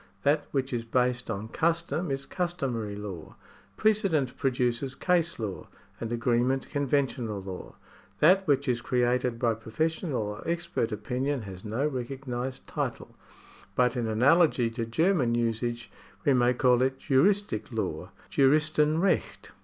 That which is based on custom is customary law. Precedent produces case law, and agreement conventional law. That which is created by professional or expert opinion has no recognised title, but in analogy to German usage we may call it juristic law (Juristenrecht).